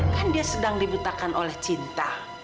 kan dia sedang dibutakan oleh cinta